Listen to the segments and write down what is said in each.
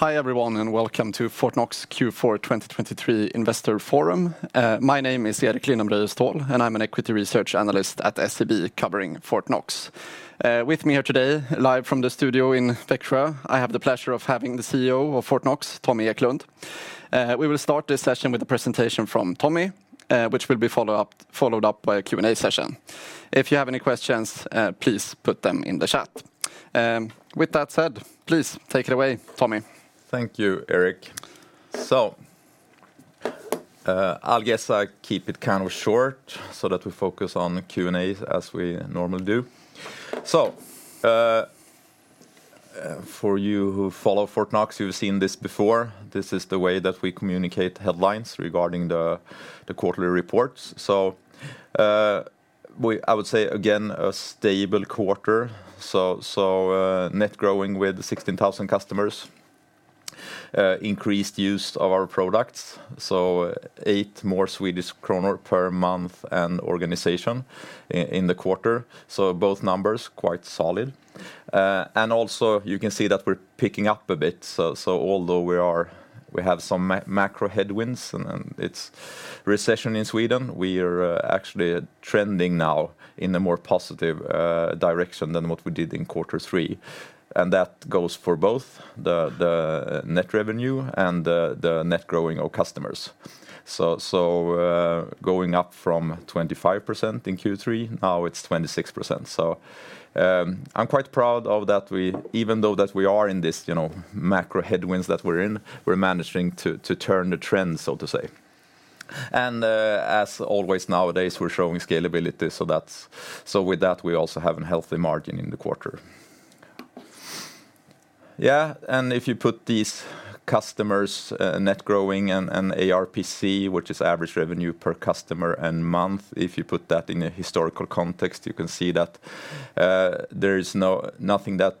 Hi everyone, and welcome to Fortnox Q4 2023 Investor Forum. My name is Erik Lindholm-Röjestål, and I'm an equity research analyst at SEB covering Fortnox. With me here today, live from the studio in Växjö, I have the pleasure of having the CEO of Fortnox, Tommy Eklund. We will start this session with a presentation from Tommy, which will be followed up by a Q&A session. If you have any questions, please put them in the chat. With that said, please take it away, Tommy. Thank you, Erik. So, I guess I'll keep it kind of short so that we focus on Q&A as we normally do. So, for you who follow Fortnox, you've seen this before. This is the way that we communicate headlines regarding the quarterly reports. So, I would say, again, a stable quarter. So, net growing with 16,000 customers. Increased use of our products. So, 8 more per month and organization in the quarter. So, both numbers quite solid. And also, you can see that we're picking up a bit. So, although we have some macro headwinds and it's recession in Sweden, we are actually trending now in a more positive direction than what we did in quarter three. And that goes for both the net revenue and the net growing of customers. So, going up from 25% in Q3, now it's 26%. So, I'm quite proud of that. Even though we are in these macro headwinds that we're in, we're managing to turn the trend, so to say. And as always nowadays, we're showing scalability. So, with that, we also have a healthy margin in the quarter. Yeah, and if you put these customers, net growing, and ARPC, which is average revenue per customer and month, if you put that in a historical context, you can see that there is nothing that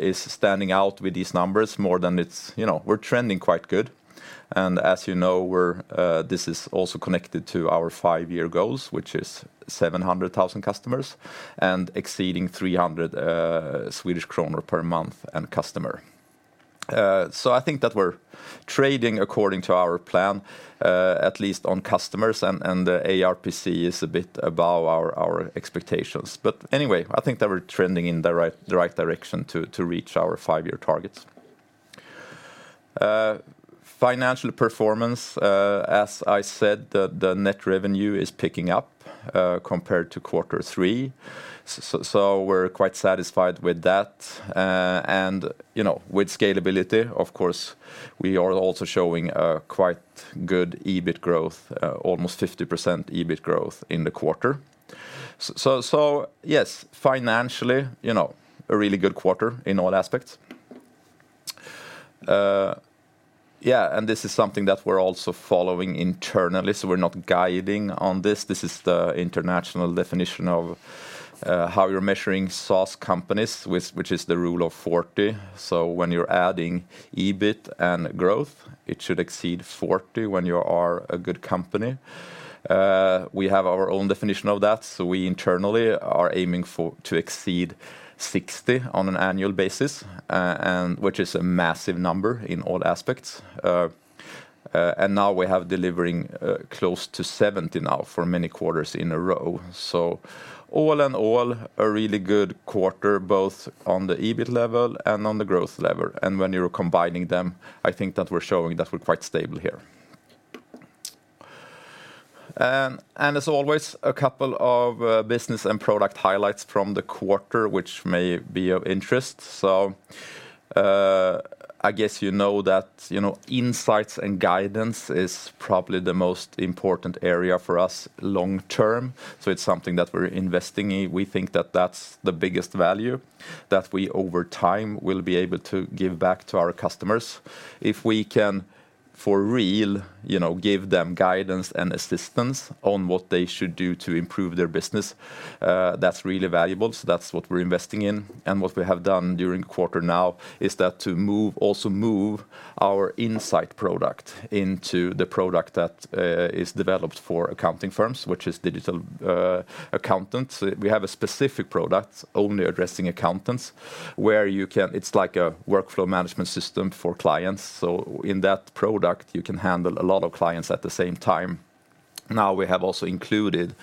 is standing out with these numbers more than it's, you know, we're trending quite good. And as you know, this is also connected to our five-year goals, which is 700,000 customers and exceeding 300 Swedish kronor per month and customer. So, I think that we're trading according to our plan, at least on customers. And the ARPC is a bit above our expectations. But anyway, I think that we're trending in the right direction to reach our five-year targets. Financial performance, as I said, the net revenue is picking up compared to quarter three. So, we're quite satisfied with that. And with scalability, of course, we are also showing quite good EBIT growth, almost 50% EBIT growth in the quarter. So, yes, financially, you know, a really good quarter in all aspects. Yeah, and this is something that we're also following internally. So, we're not guiding on this. This is the international definition of how you're measuring SaaS companies, which is the Rule of 40. So, when you're adding EBIT and growth, it should exceed 40 when you are a good company. We have our own definition of that. So, we internally are aiming to exceed 60 on an annual basis, which is a massive number in all aspects. Now we have delivering close to 70 now for many quarters in a row. So, all in all, a really good quarter, both on the EBIT level and on the growth level. And when you're combining them, I think that we're showing that we're quite stable here. And as always, a couple of business and product highlights from the quarter, which may be of interest. So, I guess you know that insights and guidance is probably the most important area for us long term. So, it's something that we're investing in. We think that that's the biggest value that we over time will be able to give back to our customers. If we can for real give them guidance and assistance on what they should do to improve their business, that's really valuable. So, that's what we're investing in. What we have done during the quarter now is that to move, also move our insight product into the product that is developed for accounting firms, which is Digital Accountant. We have a specific product only addressing accountants where you can. It's like a workflow management system for clients. So, in that product, you can handle a lot of clients at the same time. Now we have also included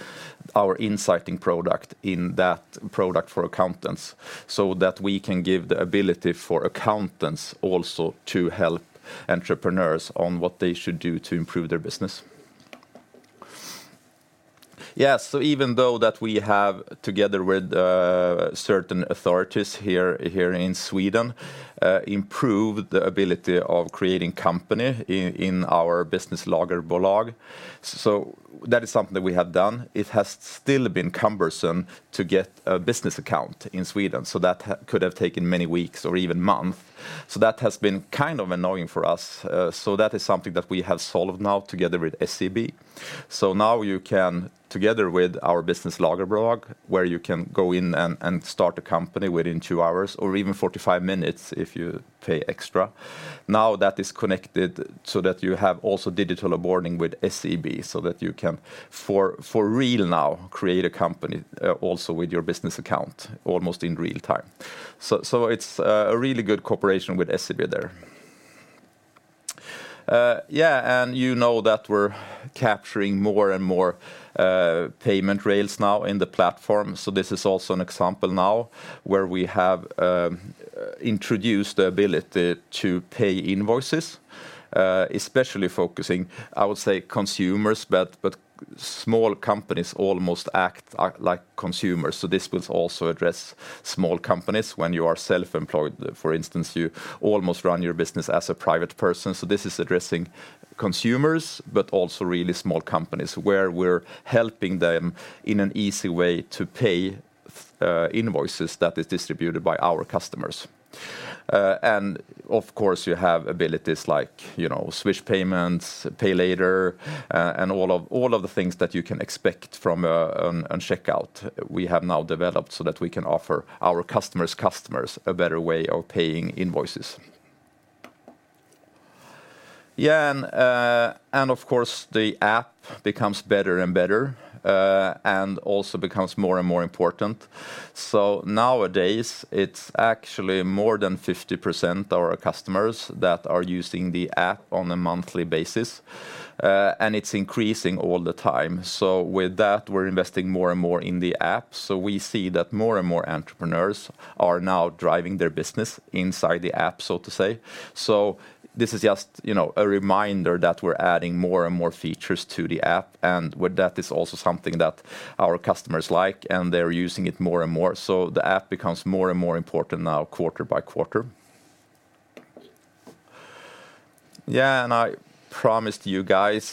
our insighting product in that product for accountants so that we can give the ability for accountants also to help entrepreneurs on what they should do to improve their business. Yeah, so even though that we have, together with certain authorities here in Sweden, improved the ability of creating company in our business Lagerbolag, so that is something that we have done. It has still been cumbersome to get a business account in Sweden. So, that could have taken many weeks or even months. So, that has been kind of annoying for us. So, that is something that we have solved now together with SEB. So, now you can, together with our business Lagerbolag, where you can go in and start a company within two hours or even 45 minutes if you pay extra. Now that is connected so that you have also digital onboarding with SEB so that you can for real now create a company also with your business account almost in real time. So, it's a really good cooperation with SEB there. Yeah, and you know that we're capturing more and more payment rails now in the platform. So, this is also an example now where we have introduced the ability to pay invoices, especially focusing, I would say, consumers, but small companies almost act like consumers. So, this will also address small companies when you are self-employed. For instance, you almost run your business as a private person. So, this is addressing consumers, but also really small companies where we're helping them in an easy way to pay invoices that are distributed by our customers. And of course, you have abilities like Swish payments, pay later, and all of the things that you can expect from a checkout we have now developed so that we can offer our customers' customers a better way of paying invoices. Yeah, and of course, the app becomes better and better and also becomes more and more important. So, nowadays, it's actually more than 50% of our customers that are using the app on a monthly basis. And it's increasing all the time. So, with that, we're investing more and more in the app. So, we see that more and more entrepreneurs are now driving their business inside the app, so to say. So, this is just a reminder that we're adding more and more features to the app. And with that, it's also something that our customers like, and they're using it more and more. So, the app becomes more and more important now quarter by quarter. Yeah, and I promised you guys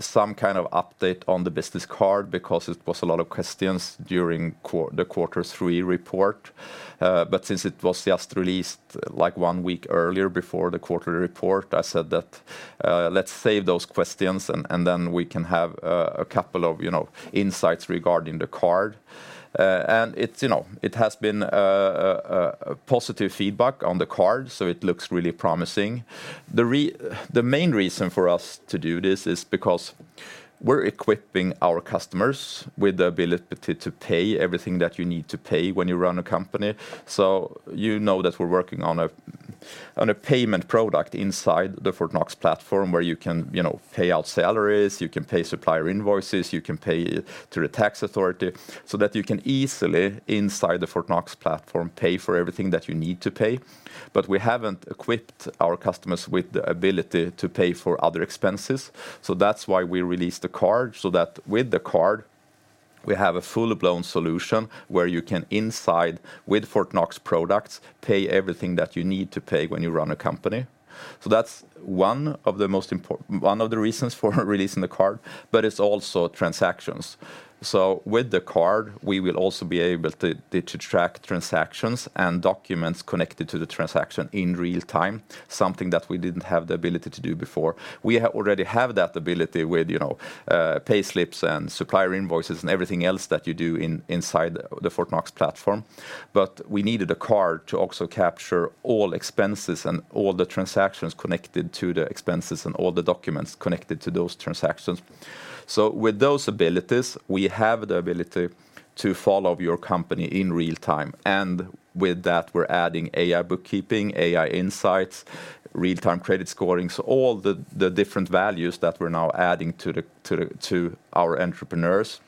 some kind of update on the business card because it was a lot of questions during the quarter three report. But since it was just released like one week earlier before the quarterly report, I said that let's save those questions, and then we can have a couple of insights regarding the card. It has been positive feedback on the card, so it looks really promising. The main reason for us to do this is because we're equipping our customers with the ability to pay everything that you need to pay when you run a company. So, you know that we're working on a payment product inside the Fortnox platform where you can pay out salaries, you can pay supplier invoices, you can pay to the tax authority so that you can easily, inside the Fortnox platform, pay for everything that you need to pay. But we haven't equipped our customers with the ability to pay for other expenses. So, that's why we released the card, so that with the card, we have a full-blown solution where you can, inside with Fortnox products, pay everything that you need to pay when you run a company. So, that's one of the most important, one of the reasons for releasing the card. But it's also transactions. So, with the card, we will also be able to track transactions and documents connected to the transaction in real time, something that we didn't have the ability to do before. We already have that ability with payslips and supplier invoices and everything else that you do inside the Fortnox platform. But we needed a card to also capture all expenses and all the transactions connected to the expenses and all the documents connected to those transactions. So, with those abilities, we have the ability to follow your company in real time. And with that, we're adding AI Bookkeeping, AI insights, real-time credit scoring. So, all the different values that we're now adding to our entrepreneurs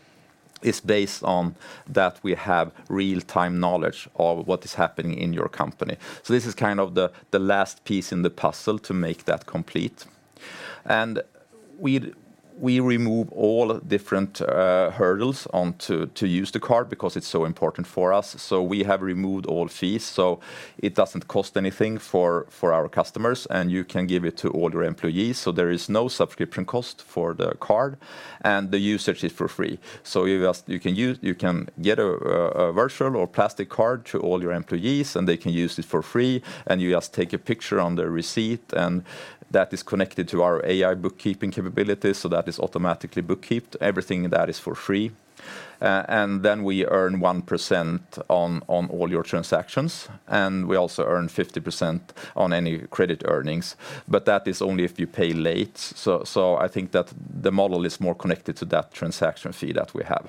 is based on that we have real-time knowledge of what is happening in your company. So, this is kind of the last piece in the puzzle to make that complete. We remove all different hurdles onto using the card because it's so important for us. We have removed all fees. It doesn't cost anything for our customers, and you can give it to all your employees. There is no subscription cost for the card, and the usage is for free. You can get a virtual or plastic card to all your employees, and they can use it for free. You just take a picture on the receipt, and that is connected to our AI Bookkeeping capabilities. That is automatically bookkeeped. Everything that is for free. Then we earn 1% on all your transactions. We also earn 50% on any credit earnings. But that is only if you pay late. I think that the model is more connected to that transaction fee that we have.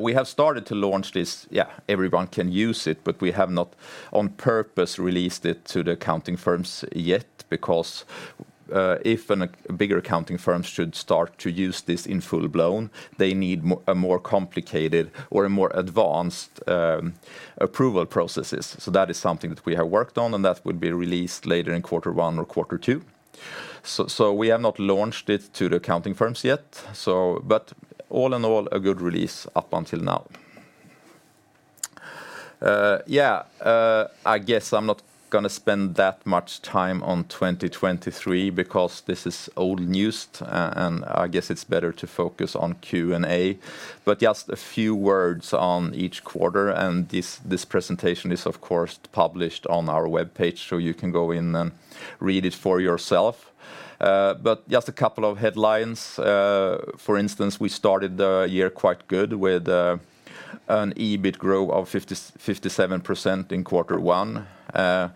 We have started to launch this. Yeah, everyone can use it, but we have not on purpose released it to the accounting firms yet because if bigger accounting firms should start to use this in full-blown, they need a more complicated or a more advanced approval processes. So, that is something that we have worked on, and that will be released later in quarter one or quarter two. So, we have not launched it to the accounting firms yet. So, but all in all, a good release up until now. Yeah, I guess I'm not going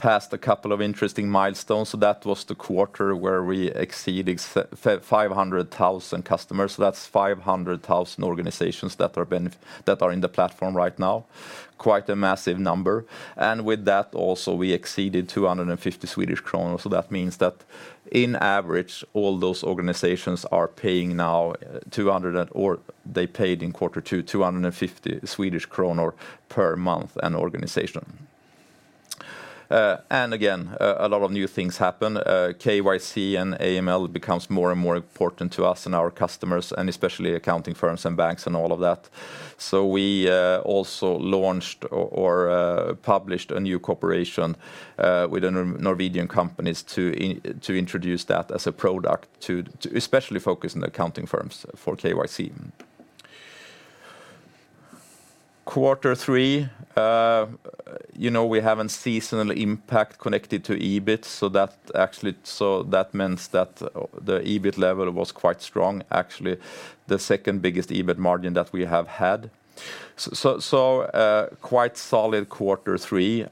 We broke even already in quarter one. That was ahead of our own plan. That was quite good for the future. Of course, a lot of other releases during each quarter. Quarter two, we passed a couple of interesting milestones. That was the quarter where we exceeded 500,000 customers. That's 500,000 organizations that are in the platform right now. Quite a massive number. With that also, we exceeded 250 Swedish kronor. So, that means that on average, all those organizations are paying now 200, or they paid in quarter two, 250 Swedish kronor per month and organization. And again, a lot of new things happen. KYC and AML becomes more and more important to us and our customers, and especially accounting firms and banks and all of that. So, we also launched or published a new cooperation with Norwegian companies to introduce that as a product, especially focusing on accounting firms for KYC. Quarter three, you know we have a seasonal impact connected to EBIT. So, that actually, so that means that the EBIT level was quite strong, actually the second biggest EBIT margin that we have had. So, quite solid quarter three.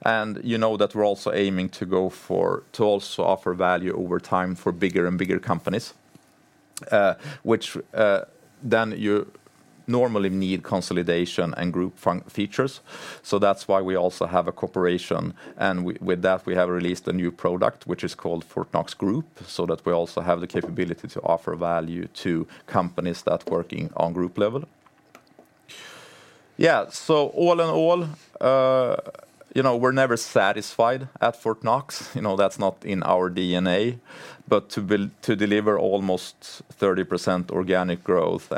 And also the business card that I talked about was launched during that quarter. You know that we're also aiming to go for, to also offer value over time for bigger and bigger companies, which then you normally need consolidation and group features. So, that's why we also have a cooperation. And with that, we have released a new product, which is called Fortnox Group, so that we also have the capability to offer value to companies that are working on group level. Yeah, so all in all, you know we're never satisfied at Fortnox. You know that's not in our DNA. But to deliver almost 30% organic growth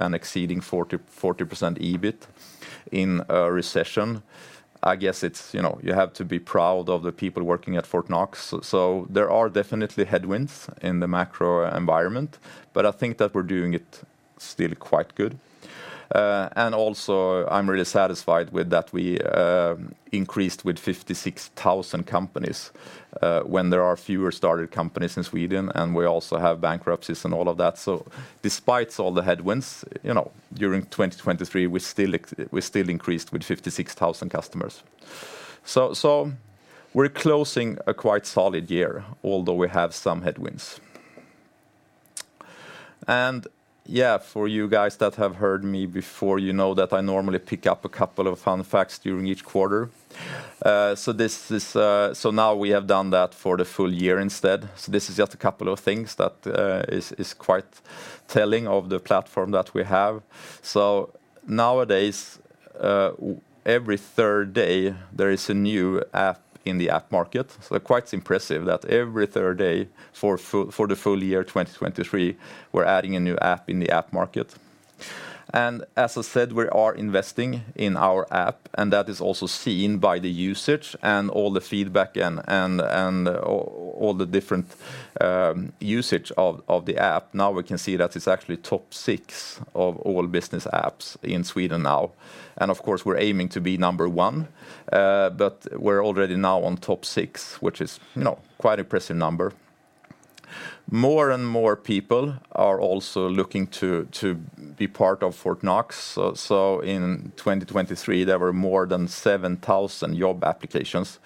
and exceeding 40% EBIT in a recession, I guess it's, you know you have to be proud of the people working at Fortnox. So, there are definitely headwinds in the macro environment, but I think that we're doing it still quite good. Also, I'm really satisfied with that we increased with 56,000 companies when there are fewer started companies in Sweden, and we also have bankruptcies and all of that. Despite all the headwinds, you know, during 2023, we still increased with 56,000 customers. We're closing a quite solid year, although we have some headwinds. Yeah, for you guys that have heard me before, you know that I normally pick up a couple of fun facts during each quarter. Now we have done that for the full year instead. This is just a couple of things that are quite telling of the platform that we have. Nowadays, every third day, there is a new app in the app market. Quite impressive that every third day for the full year 2023, we're adding a new app in the app market. And as I said, we are investing in our app, and that is also seen by the usage and all the feedback and all the different usage of the app. Now we can see that it's actually top six of all business apps in Sweden now. And of course, we're aiming to be number one. But we're already now on top six, which is quite an impressive number. More and more people are also looking to be part of Fortnox. So, in 2023, there were more than 7,000 job applications,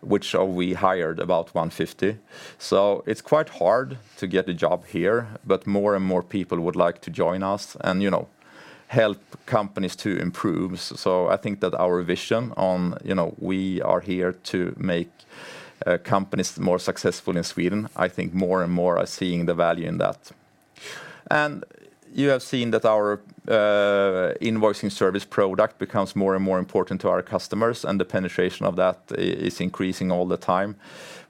which we hired about 150. So, it's quite hard to get a job here, but more and more people would like to join us and, you know, help companies to improve. So, I think that our vision on, you know, we are here to make companies more successful in Sweden. I think more and more are seeing the value in that. And you have seen that our invoicing service product becomes more and more important to our customers, and the penetration of that is increasing all the time.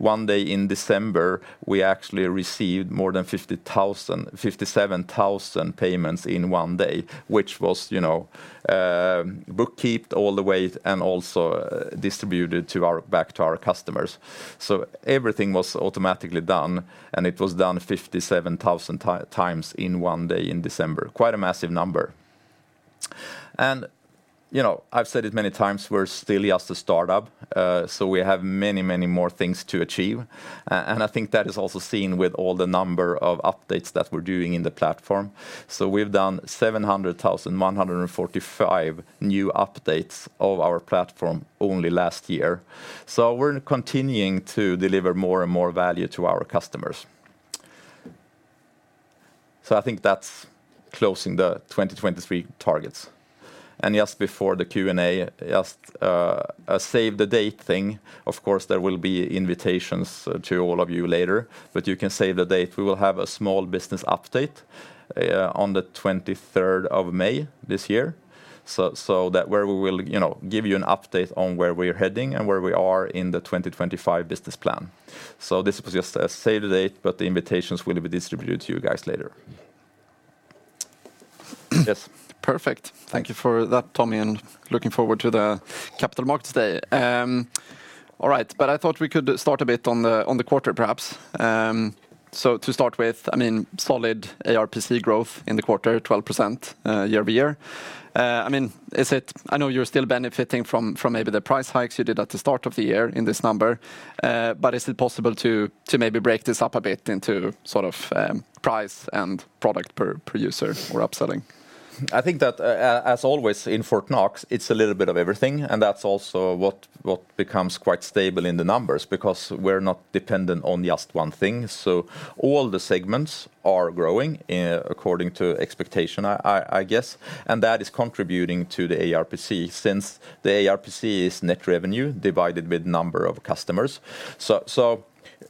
One day in December, we actually received more than 57,000 payments in one day, which was, you know, bookkept all the way and also distributed back to our customers. So, everything was automatically done, and it was done 57,000x in one day in December. Quite a massive number. And you know I've said it many times, we're still just a startup. So, we have many, many more things to achieve. And I think that is also seen with all the number of updates that we're doing in the platform. So, we've done 700,145 new updates of our platform only last year. So, we're continuing to deliver more and more value to our customers. So, I think that's closing the 2023 targets. And just before the Q&A, just a save the date thing. Of course, there will be invitations to all of you later, but you can save the date. We will have a small business update on the May 23rd this year, so that where we will give you an update on where we're heading and where we are in the 2025 business plan. So, this was just a save the date, but the invitations will be distributed to you guys later. Yes. Perfect. Thank you for that, Tommy, and looking forward to the Capital Markets Day. All right, but I thought we could start a bit on the quarter, perhaps. So, to start with, I mean, solid ARPC growth in the quarter, 12% year-over-year. I mean, is it? I know you're still benefiting from maybe the price hikes you did at the start of the year in this number. But is it possible to maybe break this up a bit into sort of price and product per user or upselling? I think that, as always in Fortnox, it's a little bit of everything. And that's also what becomes quite stable in the numbers because we're not dependent on just one thing. So, all the segments are growing according to expectation, I guess. And that is contributing to the ARPC since the ARPC is net revenue divided by the number of customers. So,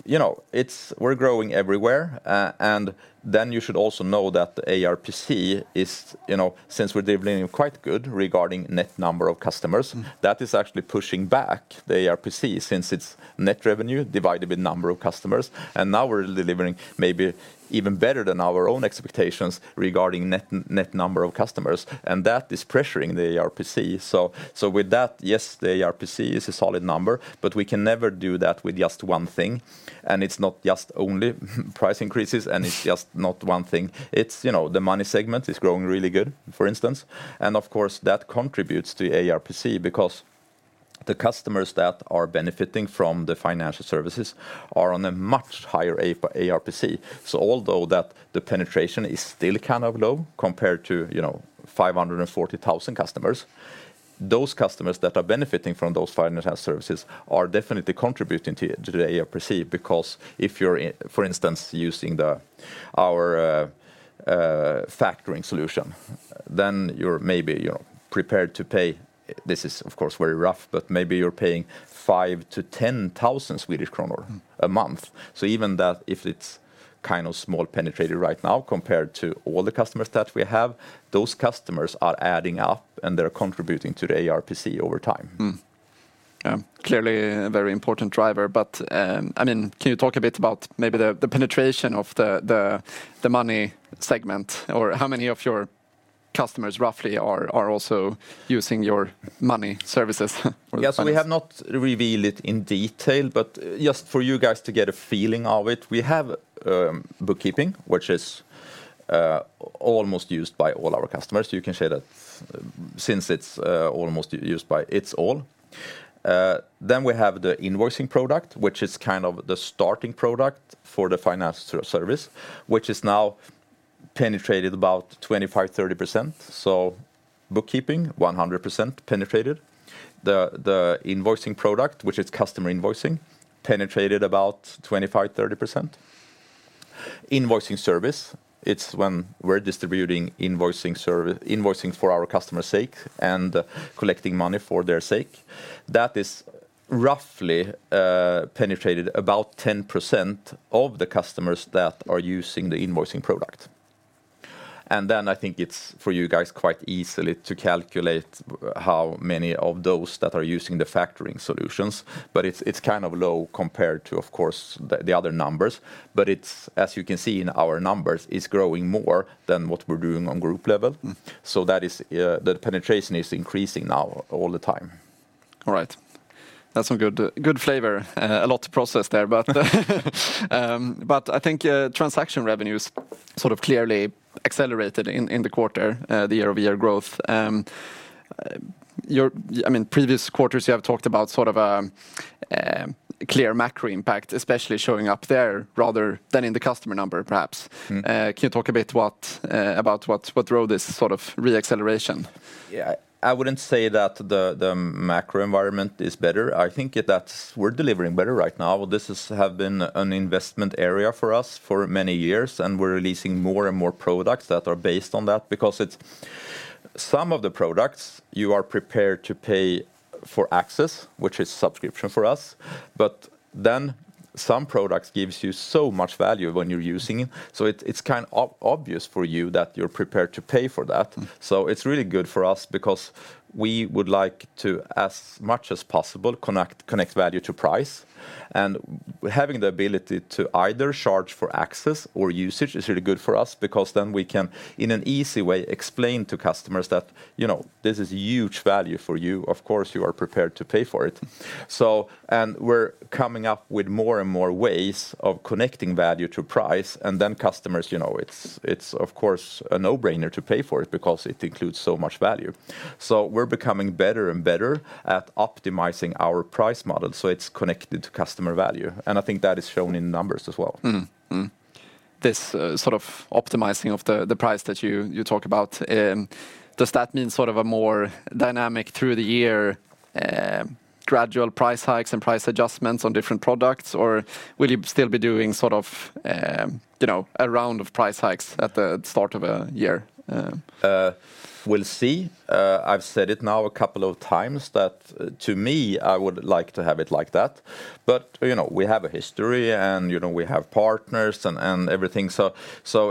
you know, it's, we're growing everywhere. And then you should also know that the ARPC is, you know, since we're delivering quite good regarding net number of customers, that is actually pushing back the ARPC since it's net revenue divided by the number of customers. And now we're delivering maybe even better than our own expectations regarding net number of customers. And that is pressuring the ARPC. So, with that, yes, the ARPC is a solid number, but we can never do that with just one thing. And it's not just only price increases, and it's just not one thing. It's, you know, the money segment is growing really good, for instance. And of course, that contributes to the ARPC because the customers that are benefiting from the financial services are on a much higher ARPC. So, although that the penetration is still kind of low compared to, you know, 540,000 customers, those customers that are benefiting from those financial services are definitely contributing to the ARPC because if you're, for instance, using our factoring solution, then you're maybe, you know, prepared to pay. This is, of course, very rough, but maybe you're paying 5,000-10,000 Swedish kronor a month. So, even that, if it's kind of small penetrated right now compared to all the customers that we have, those customers are adding up and they're contributing to the ARPC over time. Mm-hmm. Yeah, clearly a very important driver. But I mean, can you talk a bit about maybe the penetration of the money segment or how many of your customers roughly are also using your money services? Yes, we have not revealed it in detail, but just for you guys to get a feeling of it, we have bookkeeping, which is almost used by all our customers. You can say that since it's almost used by it's all. Then we have the invoicing product, which is kind of the starting product for the financial service, which is now penetrated about 25%-30%. So, bookkeeping, 100% penetrated. The invoicing product, which is customer invoicing, penetrated about 25%-30%. Invoicing service, it's when we're distributing invoicing for our customer's sake and collecting money for their sake. That is roughly penetrated about 10% of the customers that are using the invoicing product. And then I think it's for you guys quite easily to calculate how many of those that are using the factoring solutions. But it's kind of low compared to, of course, the other numbers. But it's, as you can see in our numbers, is growing more than what we're doing on group level. So, that is, the penetration is increasing now all the time. All right. That's some good flavor. A lot to process there. But I think transaction revenues sort of clearly accelerated in the quarter, the year-over-year growth. I mean, previous quarters you have talked about sort of a clear macro impact, especially showing up there rather than in the customer number, perhaps. Can you talk a bit about what drove this sort of re-acceleration? Yeah, I wouldn't say that the macro environment is better. I think that we're delivering better right now. This has been an investment area for us for many years, and we're releasing more and more products that are based on that because it's some of the products, you are prepared to pay for access, which is a subscription for us. But then some products give you so much value when you're using it. So, it's kind of obvious for you that you're prepared to pay for that. So, it's really good for us because we would like to, as much as possible, connect value to price. And having the ability to either charge for access or usage is really good for us because then we can, in an easy way, explain to customers that, you know, this is huge value for you. Of course, you are prepared to pay for it. So, and we're coming up with more and more ways of connecting value to price. Then customers, you know, it's of course a no-brainer to pay for it because it includes so much value. We're becoming better and better at optimizing our price model so it's connected to customer value. I think that is shown in numbers as well. Mm-hmm. This sort of optimizing of the price that you talk about, does that mean sort of a more dynamic through the year, gradual price hikes and price adjustments on different products, or will you still be doing sort of, you know, a round of price hikes at the start of a year? We'll see. I've said it now a couple of times that to me, I would like to have it like that. You know, we have a history and, you know, we have partners and everything. So,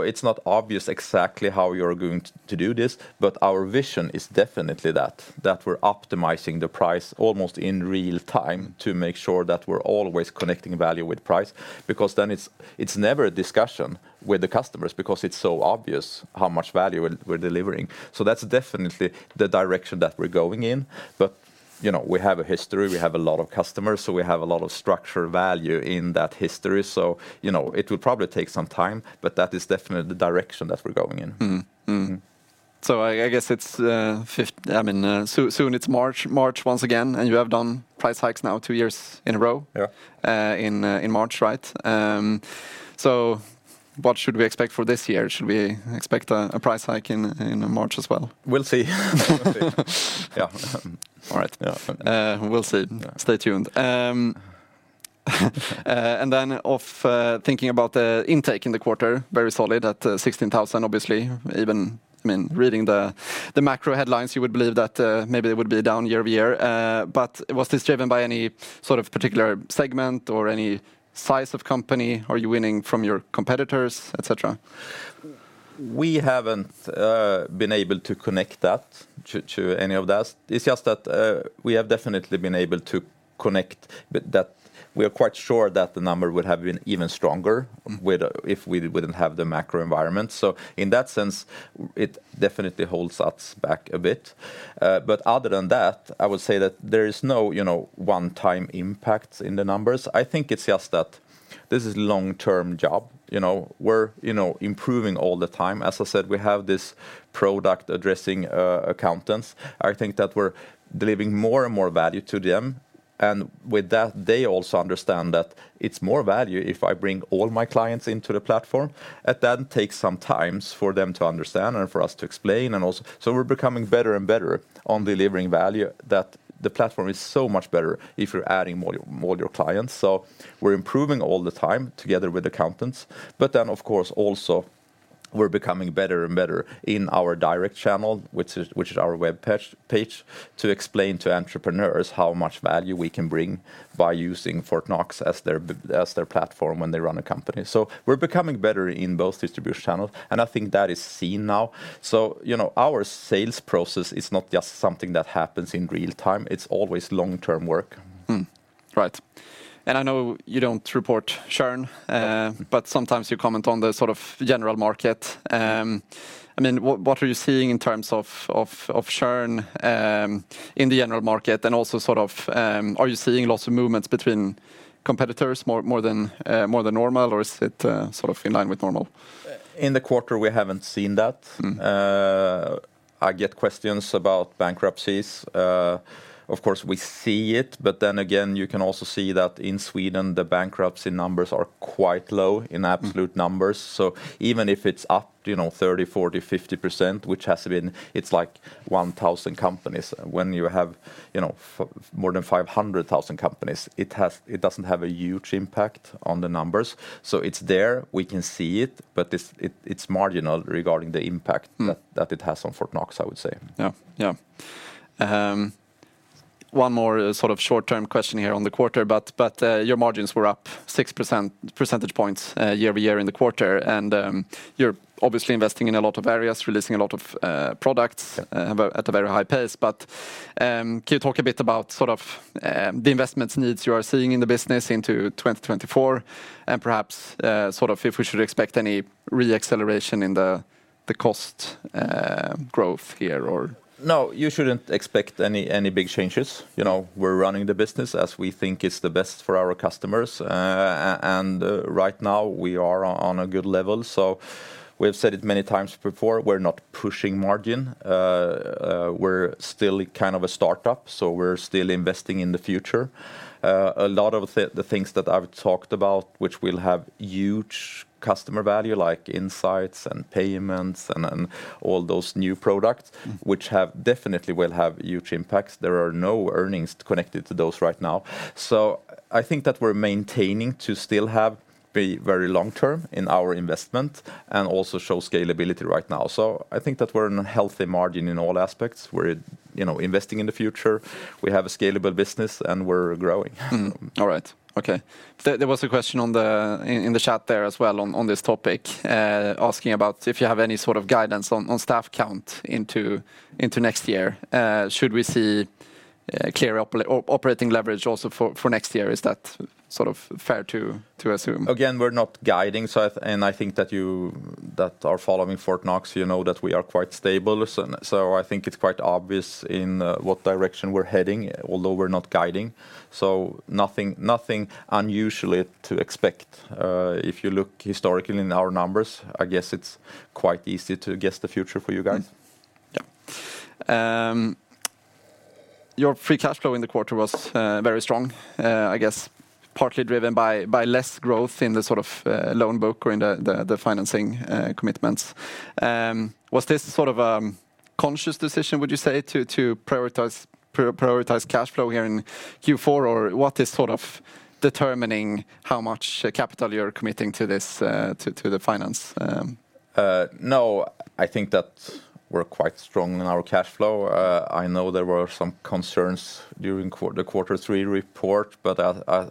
it's not obvious exactly how you're going to do this, but our vision is definitely that. That we're optimizing the price almost in real time to make sure that we're always connecting value with price because then it's never a discussion with the customers because it's so obvious how much value we're delivering. So, that's definitely the direction that we're going in. But, you know, we have a history, we have a lot of customers, so we have a lot of structured value in that history. So, you know, it will probably take some time, but that is definitely the direction that we're going in. Mm-hmm. So, I guess it's, I mean, soon it's March, March once again, and you have done price hikes now two years in a row. Yeah. In March, right? So, what should we expect for this year? Should we expect a price hike in March as well? We'll see. We'll see. Yeah. All right. Yeah. We'll see. Stay tuned. And then, thinking about the intake in the quarter, very solid at 16,000, obviously. Even, I mean, reading the macro headlines, you would believe that maybe it would be down year-over-year. But was this driven by any sort of particular segment or any size of company? Are you winning from your competitors, etc.? We haven't been able to connect that to any of that. It's just that we have definitely been able to connect that we are quite sure that the number would have been even stronger if we didn't have the macro environment. So, in that sense, it definitely holds us back a bit. But other than that, I would say that there is no, you know, one-time impact in the numbers. I think it's just that this is a long-term job. You know, we're, you know, improving all the time. As I said, we have this product addressing accountants. I think that we're delivering more and more value to them. And with that, they also understand that it's more value if I bring all my clients into the platform. And that takes some times for them to understand and for us to explain and also. So, we're becoming better and better on delivering value. That the platform is so much better if you're adding more of your clients. So, we're improving all the time together with accountants. But then, of course, also we're becoming better and better in our direct channel, which is our web page to explain to entrepreneurs how much value we can bring by using Fortnox as their platform when they run a company. So, we're becoming better in both distribution channels. I think that is seen now. So, you know, our sales process is not just something that happens in real time. It's always long-term work. Right. I know you don't report churn, but sometimes you comment on the sort of general market. I mean, what are you seeing in terms of churn in the general market? Also sort of, are you seeing lots of movements between competitors more than normal, or is it sort of in line with normal? In the quarter, we haven't seen that. I get questions about bankruptcies, of course, we see it, but then again, you can also see that in Sweden, the bankruptcy numbers are quite low in absolute numbers. So, even if it's up, you know, 30%, 40%, 50%, which has been, it's like 1,000 companies. When you have, you know, more than 500,000 companies, it doesn't have a huge impact on the numbers. So, it's there, we can see it, but it's marginal regarding the impact that it has on Fortnox, I would say. Yeah, yeah. One more sort of short-term question here on the quarter, but your margins were up 6% percentage points year-over-year in the quarter. And you're obviously investing in a lot of areas, releasing a lot of products at a very high pace. But can you talk a bit about sort of the investments needs you are seeing in the business into 2024? And perhaps sort of if we should expect any re-acceleration in the cost growth here or... No, you shouldn't expect any big changes. You know, we're running the business as we think it's the best for our customers. Right now we are on a good level. So, we have said it many times before, we're not pushing margin. We're still kind of a startup, so we're still investing in the future. A lot of the things that I've talked about, which will have huge customer value, like insights and payments and all those new products, which definitely will have huge impacts. There are no earnings connected to those right now. So, I think that we're maintaining to still have be very long-term in our investment and also show scalability right now. So, I think that we're in a healthy margin in all aspects. We're, you know, investing in the future. We have a scalable business and we're growing. All right. Okay. There was a question in the chat there as well on this topic, asking about if you have any sort of guidance on staff count into next year. Should we see clear operating leverage also for next year? Is that sort of fair to assume? Again, we're not guiding. So, I think that you that are following Fortnox, you know that we are quite stable. So, I think it's quite obvious in what direction we're heading, although we're not guiding. So, nothing unusual to expect. If you look historically in our numbers, I guess it's quite easy to guess the future for you guys. Yeah. Your free cash flow in the quarter was very strong, I guess, partly driven by less growth in the sort of loan book or in the financing commitments. Was this sort of a conscious decision, would you say, to prioritize cash flow here in Q4, or what is sort of determining how much capital you're committing to the financing? No, I think that we're quite strong in our cash flow. I know there were some concerns during the quarter three report, but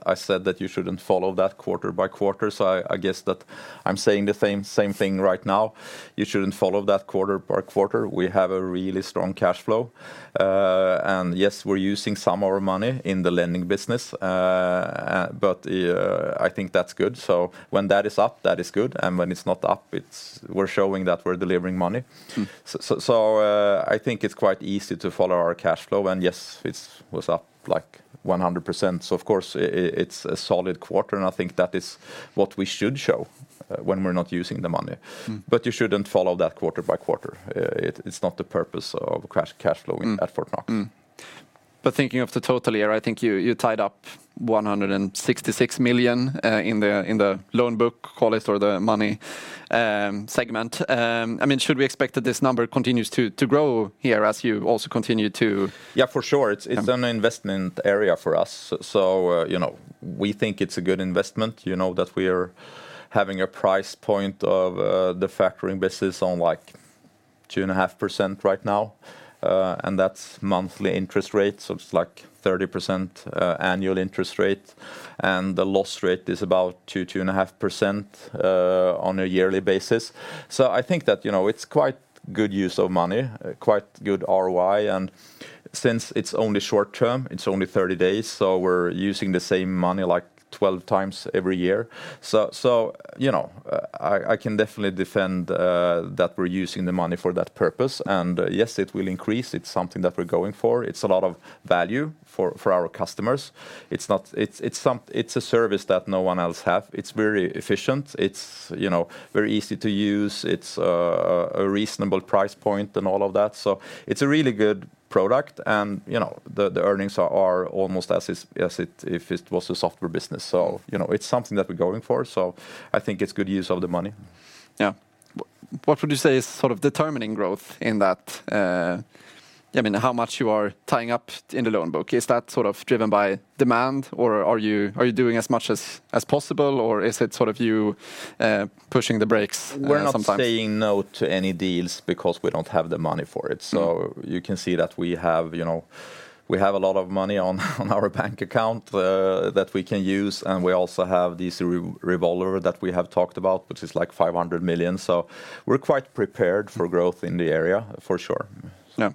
I said that you shouldn't follow that quarter by quarter. So, I guess that I'm saying the same thing right now. You shouldn't follow that quarter by quarter. We have a really strong cash flow. Yes, we're using some of our money in the lending business. I think that's good. So, when that is up, that is good. When it's not up, we're showing that we're delivering money. So, I think it's quite easy to follow our cash flow. Yes, it was up like 100%. So, of course, it's a solid quarter, and I think that is what we should show when we're not using the money. But you shouldn't follow that quarter by quarter. It's not the purpose of cash flowing at Fortnox. But thinking of the total year, I think you tied up SEK 166 million in the loan book, call it, or the money segment. I mean, should we expect that this number continues to grow here as you also continue to...? Yeah, for sure. It's an investment area for us. So, you know, we think it's a good investment. You know that we are having a price point of the factoring business on like 2.5% right now. And that's monthly interest rate. So, it's like 30% annual interest rate. And the loss rate is about 2.5% on a yearly basis. So, I think that, you know, it's quite good use of money, quite good ROI. And since it's only short-term, it's only 30 days, so we're using the same money like 12x every year. So, you know, I can definitely defend that we're using the money for that purpose. And yes, it will increase. It's something that we're going for. It's a lot of value for our customers. It's not... It's a service that no one else has. It's very efficient. It's, you know, very easy to use. It's a reasonable price point and all of that. So, it's a really good product. And, you know, the earnings are almost as if it was a software business. So, you know, it's something that we're going for. So, I think it's good use of the money. Yeah. What would you say is sort of determining growth in that? I mean, how much you are tying up in the loan book. Is that sort of driven by demand, or are you doing as much as possible, or is it sort of you pushing the brakes sometimes? We're not saying no to any deals because we don't have the money for it. So, you can see that we have, you know, we have a lot of money on our bank account that we can use. And we also have this revolver that we have talked about, which is like 500 million. So, we're quite prepared for growth in the area, for sure. Yeah.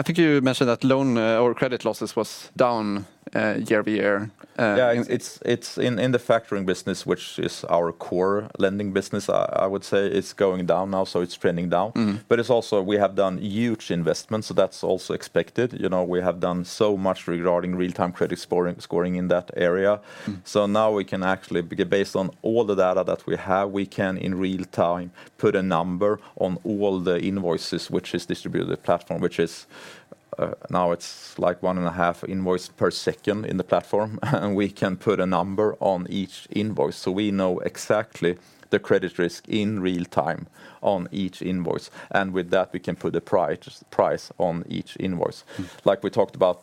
I think you mentioned that loan or credit losses were down year-over-year. Yeah, it's in the factoring business, which is our core lending business, I would say. It's going down now, so it's trending down. But it's also, we have done huge investments, so that's also expected. You know, we have done so much regarding real-time credit scoring in that area. So, now we can actually, based on all the data that we have, we can in real time put a number on all the invoices, which is distributed platform, which is now it's like one and a half invoices per second in the platform. And we can put a number on each invoice. So, we know exactly the credit risk in real time on each invoice. And with that, we can put a price on each invoice. Like we talked about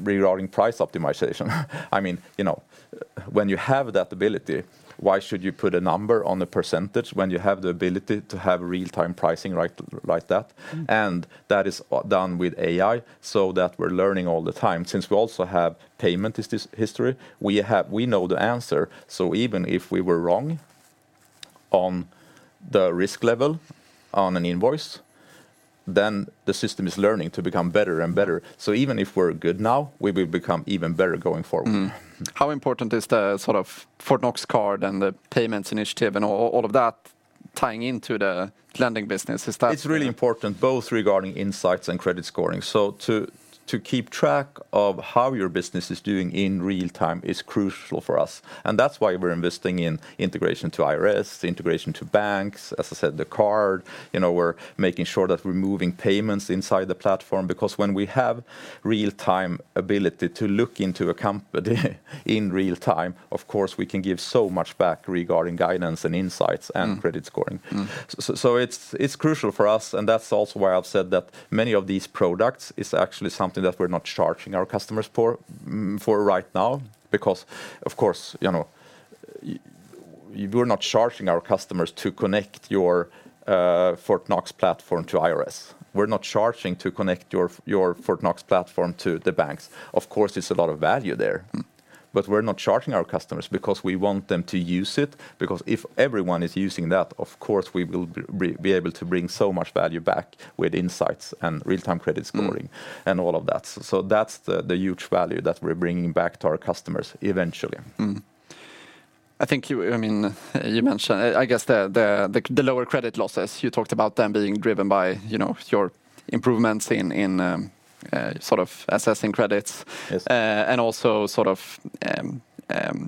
regarding price optimization. I mean, you know, when you have that ability, why should you put a number on a percentage when you have the ability to have real-time pricing like that? That is done with AI so that we're learning all the time. Since we also have payment history, we know the answer. So, even if we were wrong on the risk level on an invoice, then the system is learning to become better and better. So, even if we're good now, we will become even better going forward. How important is the sort of Fortnox Card and the payments initiative and all of that tying into the lending business? Is that...? It's really important, both regarding insights and credit scoring. So, to keep track of how your business is doing in real time is crucial for us. And that's why we're investing in integration to IRS, integration to banks, as I said, the card. You know, we're making sure that we're moving payments inside the platform because when we have real-time ability to look into a company in real time, of course, we can give so much back regarding guidance and insights and credit scoring. So, it's crucial for us. And that's also why I've said that many of these products is actually something that we're not charging our customers for right now. Because, of course, you know, we're not charging our customers to connect your Fortnox platform to IRS. We're not charging to connect your Fortnox platform to the banks. Of course, it's a lot of value there. But we're not charging our customers because we want them to use it. Because if everyone is using that, of course, we will be able to bring so much value back with insights and real-time credit scoring and all of that. So, that's the huge value that we're bringing back to our customers eventually. Mm-hmm. I think you, I mean, you mentioned, I guess, the lower credit losses. You talked about them being driven by, you know, your improvements in sort of assessing credits. Yes. And also sort of,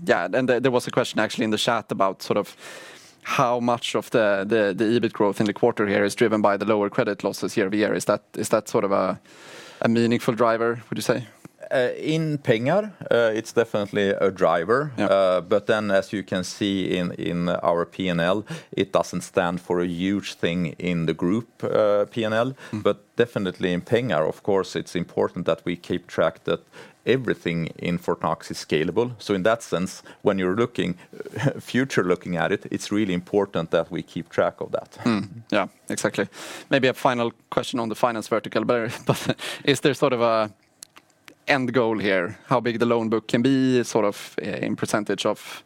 yeah, and there was a question actually in the chat about sort of how much of the EBIT growth in the quarter here is driven by the lower credit losses year-over-year. Is that sort of a meaningful driver, would you say? In Pengar, it's definitely a driver. But then, as you can see in our P&L, it doesn't stand for a huge thing in the group P&L. But definitely in Pengar, of course, it's important that we keep track that everything in Fortnox is scalable. So, in that sense, when you're looking, future looking at it, it's really important that we keep track of that. Yeah, exactly. Maybe a final question on the finance vertical, but is there sort of an end goal here? How big the loan book can be sort of in percentage of...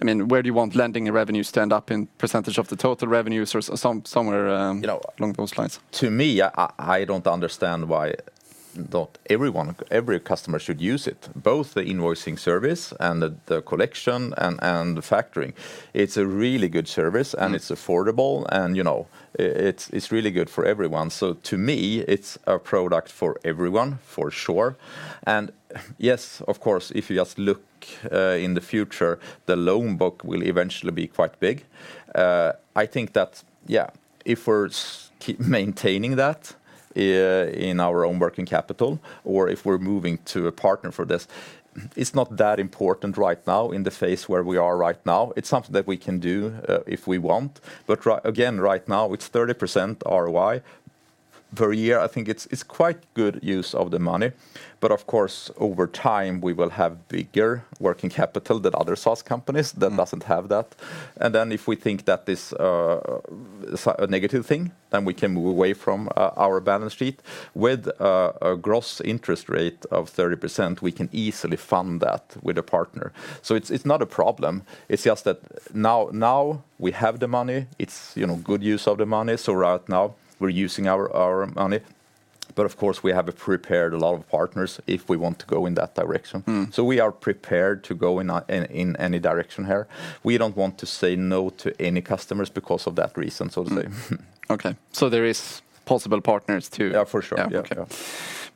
I mean, where do you want lending revenues to end up in percentage of the total revenues or somewhere along those lines? To me, I don't understand why not everyone, every customer should use it. Both the invoicing service and the collection and the factoring. It's a really good service and it's affordable and, you know, it's really good for everyone. So, to me, it's a product for everyone, for sure. And yes, of course, if you just look in the future, the loan book will eventually be quite big. I think that, yeah, if we're maintaining that in our own working capital, or if we're moving to a partner for this, it's not that important right now in the phase where we are right now. It's something that we can do if we want. But again, right now, it's 30% ROI per year. I think it's quite good use of the money. But of course, over time, we will have bigger working capital than other SaaS companies that doesn't have that. And then if we think that is a negative thing, then we can move away from our balance sheet. With a gross interest rate of 30%, we can easily fund that with a partner. So, it's not a problem. It's just that now we have the money. It's, you know, good use of the money. So, right now, we're using our money. But of course, we have prepared a lot of partners if we want to go in that direction. So, we are prepared to go in any direction here. We don't want to say no to any customers because of that reason, so to say. Okay. So, there are possible partners too...? Yeah, for sure. Yeah. Okay.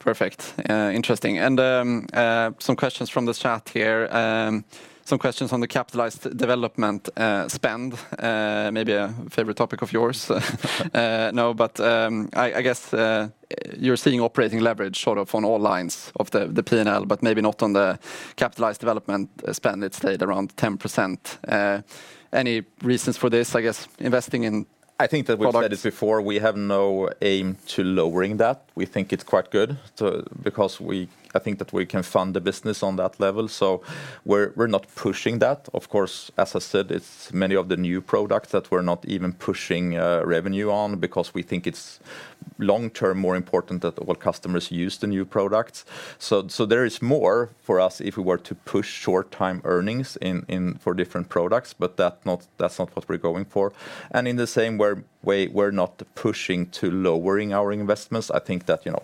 Perfect. Interesting. Some questions from the chat here. Some questions on the capitalized development spend. Maybe a favorite topic of yours. No, but I guess you're seeing operating leverage sort of on all lines of the P&L, but maybe not on the capitalized development spend. It stayed around 10%. Any reasons for this, I guess, investing in...? I think that we've said it before. We have no aim to lowering that. We think it's quite good. So, because we, I think that we can fund the business on that level. So, we're not pushing that. Of course, as I said, it's many of the new products that we're not even pushing revenue on because we think it's long-term more important that all customers use the new products. So, there is more for us if we were to push short-term earnings for different products, but that's not what we're going for. In the same way, we're not pushing to lowering our investments. I think that, you know,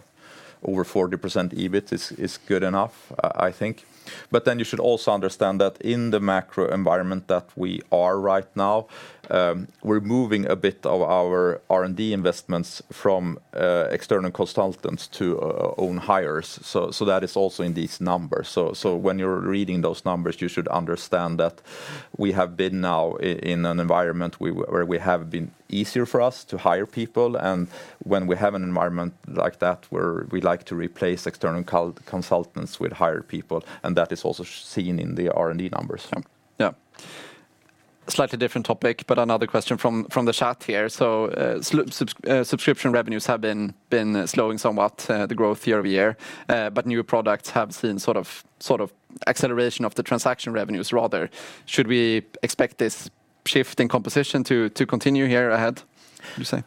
over 40% EBIT is good enough, I think. But then you should also understand that in the macro environment that we are right now, we're moving a bit of our R&D investments from external consultants to own hires. So, that is also in these numbers. So, when you're reading those numbers, you should understand that we have been now in an environment where it has been easier for us to hire people. When we have an environment like that, we like to replace external consultants with hired people. That is also seen in the R&D numbers. Yeah. Slightly different topic, but another question from the chat here. Subscription revenues have been slowing somewhat, the growth year over year. New products have seen sort of acceleration of the transaction revenues rather. Should we expect this shift in composition to continue here ahead, would you say?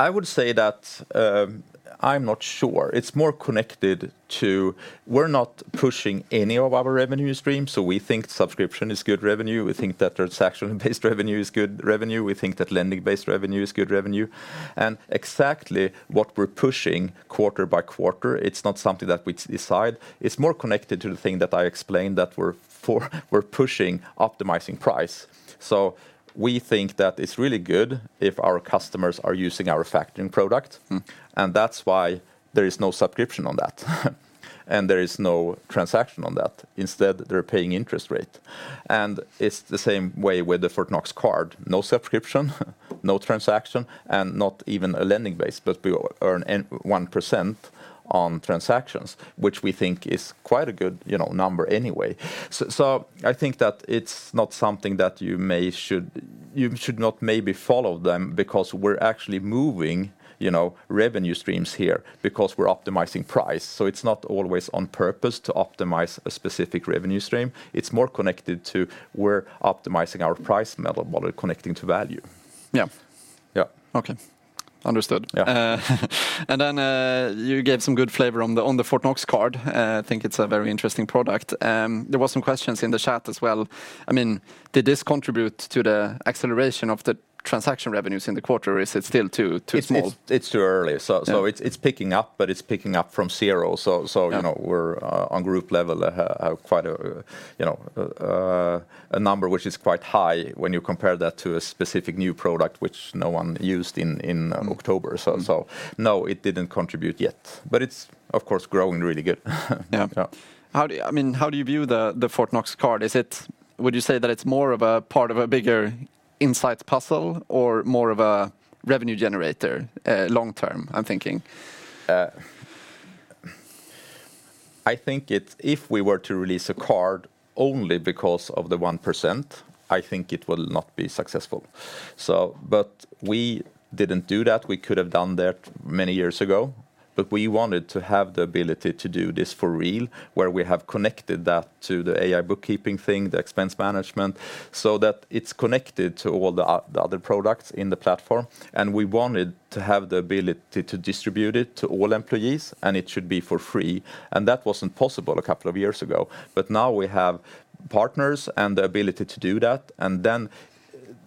I would say that, I'm not sure. It's more connected to... We're not pushing any of our revenue streams. We think subscription is good revenue. We think that transaction-based revenue is good revenue. We think that lending-based revenue is good revenue. Exactly what we're pushing quarter by quarter, it's not something that we decide. It's more connected to the thing that I explained that we're pushing, optimizing price. So, we think that it's really good if our customers are using our factoring product. And that's why there is no subscription on that. And there is no transaction on that. Instead, they're paying interest rate. And it's the same way with the Fortnox Card. No subscription, no transaction, and not even a lending-based, but we earn 1% on transactions, which we think is quite a good number anyway. So, I think that it's not something that you should not maybe follow them because we're actually moving, you know, revenue streams here because we're optimizing price. So, it's not always on purpose to optimize a specific revenue stream. It's more connected to we're optimizing our price model while connecting to value. Yeah. Yeah. Okay. Understood. Yeah. And then you gave some good flavor on the Fortnox Card. I think it's a very interesting product. There were some questions in the chat as well. I mean, did this contribute to the acceleration of the transaction revenues in the quarter, or is it still too small? It's too early. So, it's picking up, but it's picking up from zero. So, you know, we're on group level have quite a, you know, a number which is quite high when you compare that to a specific new product which no one used in October. So, no, it didn't contribute yet. But it's, of course, growing really good. Yeah. How do you... I mean, how do you view the Fortnox Card? Is it... Would you say that it's more of a part of a bigger insights puzzle or more of a revenue generator long-term, I'm thinking? I think it's... If we were to release a card only because of the 1%, I think it will not be successful. So, but we didn't do that. We could have done that many years ago. But we wanted to have the ability to do this for real, where we have connected that to the AI Bookkeeping thing, the expense management, so that it's connected to all the other products in the platform. And we wanted to have the ability to distribute it to all employees, and it should be for free. And that wasn't possible a couple of years ago. But now we have partners and the ability to do that.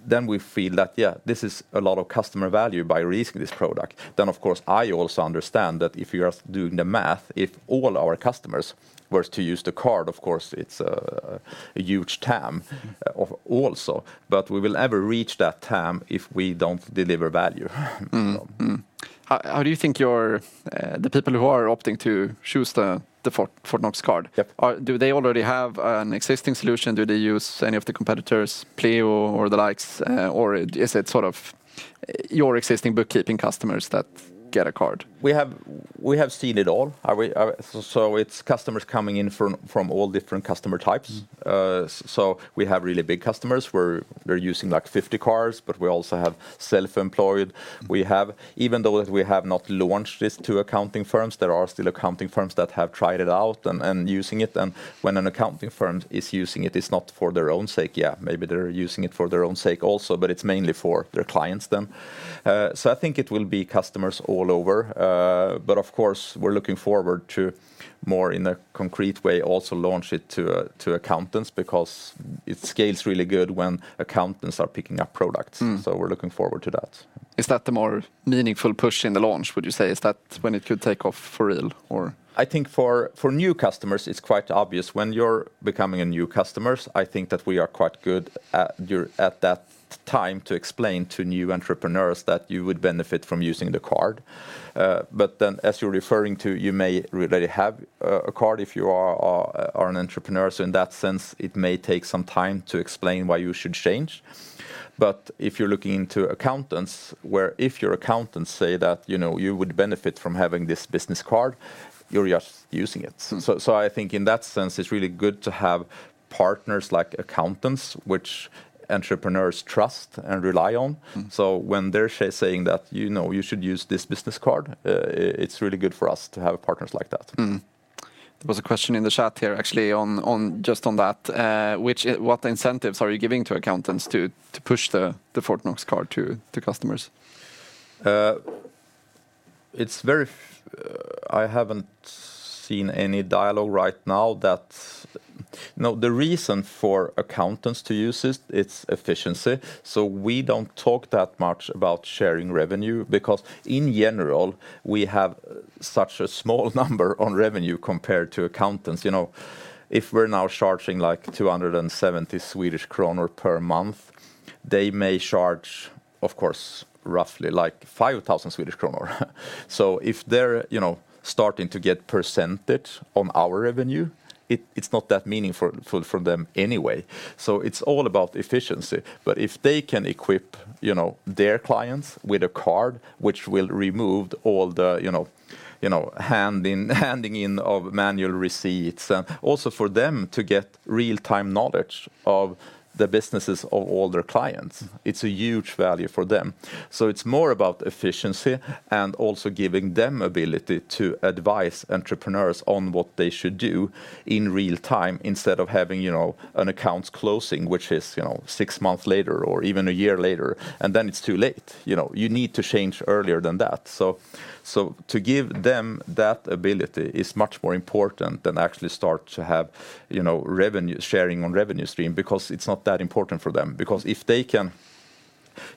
And then we feel that, yeah, this is a lot of customer value by releasing this product. Then, of course, I also understand that if you're doing the math, if all our customers were to use the card, of course, it's a huge TAM also. But we will never reach that TAM if we don't deliver value. Mm-hmm. How do you think your... The people who are opting to choose the Fortnox Card, do they already have an existing solution? Do they use any of the competitors, Pleo or the likes? Or is it sort of your existing bookkeeping customers that get a card? We have seen it all. So, it's customers coming in from all different customer types. So, we have really big customers where they're using like 50 cards, but we also have self-employed. We have... Even though that we have not launched this to accounting firms, there are still accounting firms that have tried it out and using it. And when an accounting firm is using it, it's not for their own sake. Yeah, maybe they're using it for their own sake also, but it's mainly for their clients then. So, I think it will be customers all over. But of course, we're looking forward to more in a concrete way also launch it to accountants because it scales really good when accountants are picking up products. So, we're looking forward to that. Is that the more meaningful push in the launch, would you say? Is that when it could take off for real or...? I think for new customers, it's quite obvious. When you're becoming new customers, I think that we are quite good at that time to explain to new entrepreneurs that you would benefit from using the card. But then, as you're referring to, you may already have a card if you are an entrepreneur. So, in that sense, it may take some time to explain why you should change. But if you're looking into accountants, where if your accountants say that you would benefit from having this business card, you're just using it. So, I think in that sense, it's really good to have partners like accountants, which entrepreneurs trust and rely on. So, when they're saying that you should use this business card, it's really good for us to have partners like that. There was a question in the chat here, actually, just on that. What incentives are you giving to accountants to push the Fortnox Card to customers? It's very... I haven't seen any dialogue right now that... No, the reason for accountants to use it, it's efficiency. So, we don't talk that much about sharing revenue because in general, we have such a small number on revenue compared to accountants. You know, if we're now charging like 270 Swedish kronor per month, they may charge, of course, roughly like 5,000 Swedish kronor. If they're, you know, starting to get percentage on our revenue, it's not that meaningful for them anyway. It's all about efficiency. But if they can equip, you know, their clients with a card which will remove all the, you know, handing in of manual receipts and also for them to get real-time knowledge of the businesses of all their clients, it's a huge value for them. It's more about efficiency and also giving them the ability to advise entrepreneurs on what they should do in real-time instead of having, you know, an account closing, which is, you know, six months later or even a year later. Then it's too late. You know, you need to change earlier than that. So, to give them that ability is much more important than actually start to have, you know, revenue sharing on revenue stream because it's not that important for them. Because if they can...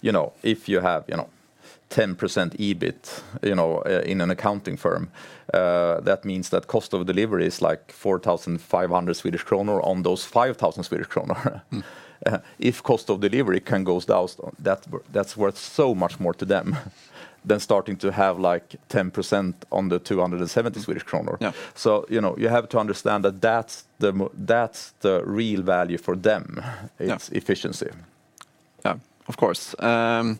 You know, if you have, you know, 10% EBIT, you know, in an accounting firm, that means that cost of delivery is like 4,500 Swedish kronor on those 5,000 Swedish kronor. Mm-hmm. If cost of delivery can go down, that's worth so much more to them than starting to have like 10% on the 270 Swedish kronor. So, you know, you have to understand that that's the real value for them. It's efficiency. Yeah. Of course. And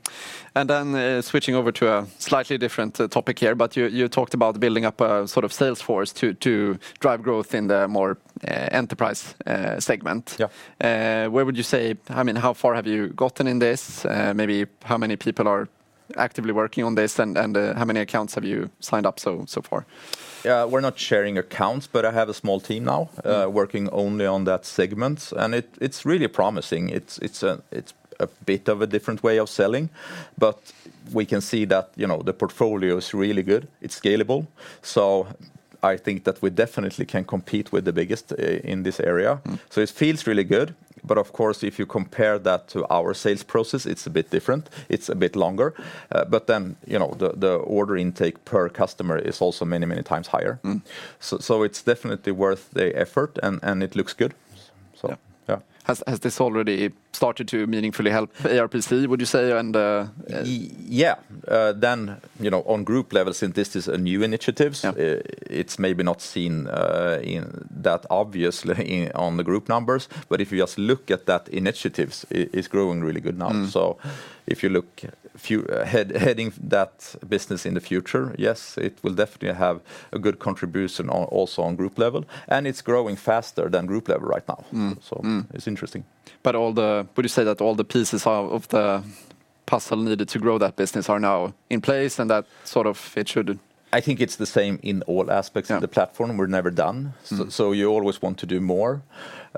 then switching over to a slightly different topic here, but you talked about building up a sort of sales force to drive growth in the more enterprise segment. Yeah. Where would you say... I mean, how far have you gotten in this? Maybe how many people are actively working on this and how many accounts have you signed up so far? Yeah, we're not sharing accounts, but I have a small team now working only on that segment. And it's really promising. It's a bit of a different way of selling. But we can see that, you know, the portfolio is really good. It's scalable. So, I think that we definitely can compete with the biggest in this area. So, it feels really good. But of course, if you compare that to our sales process, it's a bit different. It's a bit longer. But then, you know, the order intake per customer is also many, many times higher. So, it's definitely worth the effort and it looks good. So, yeah. Has this already started to meaningfully help ARPC, would you say? And... Yeah. Then, you know, on group levels, since this is a new initiative, it's maybe not seen that obviously on the group numbers. But if you just look at that initiative, it's growing really good now. So, if you look... Heading that business in the future, yes, it will definitely have a good contribution also on group level. And it's growing faster than group level right now. So, it's interesting. But all the... Would you say that all the pieces of the puzzle needed to grow that business are now in place and that sort of it should...? I think it's the same in all aspects of the platform. We're never done. So, you always want to do more.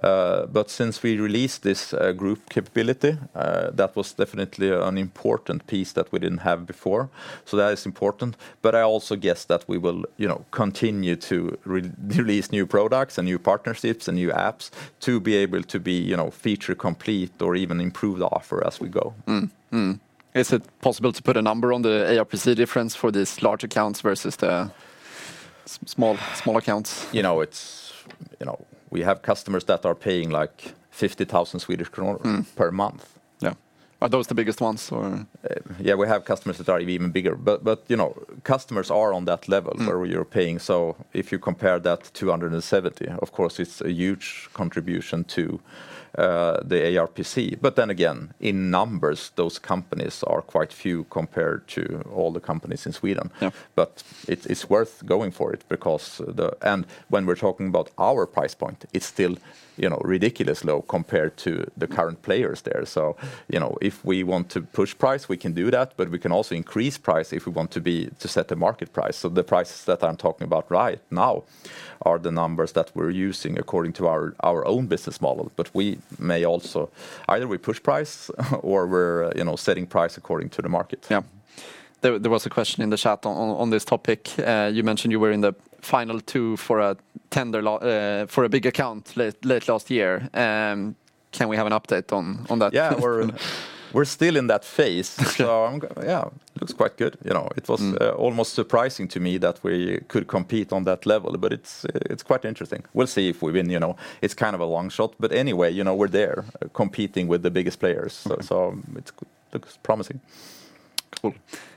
But since we released this group capability, that was definitely an important piece that we didn't have before. So, that is important But I also guess that we will continue to release new products and new partnerships and new apps to be able to be feature complete or even improve the offer as we go. Mm-hmm. Is it possible to put a number on the ARPC difference for these large accounts versus the small accounts? You know, it's... You know, we have customers that are paying like 50,000 Swedish kronor per month. Yeah. Are those the biggest ones or...? Yeah, we have customers that are even bigger. But, you know, customers are on that level where you're paying. So, if you compare that 270, of course, it's a huge contribution to the ARPC. But then again, in numbers, those companies are quite few compared to all the companies in Sweden. But it's worth going for it because... When we're talking about our price point, it's still, you know, ridiculously low compared to the current players there. So, you know, if we want to push price, we can do that, but we can also increase price if we want to set the market price. So, the prices that I'm talking about right now are the numbers that we're using according to our own business model. But we may also... Either we push price or we're setting price according to the market. Yeah. There was a question in the chat on this topic. You mentioned you were in the final two for a tender for a big account late last year. Can we have an update on that? Yeah, we're still in that phase. So, yeah, it looks quite good. You know, it was almost surprising to me that we could compete on that level, but it's quite interesting. We'll see if we win. You know, it's kind of a long shot, but anyway, you know, we're there competing with the biggest players. So, it looks promising. Cool.